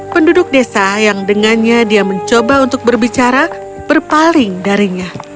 penduduk desa yang dengannya dia mencoba untuk berbicara berpaling darinya